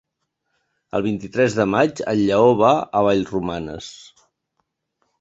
El vint-i-tres de maig en Lleó va a Vallromanes.